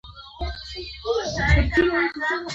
کویلیو دا ناول یوازې په دوه اونیو کې ولیکه.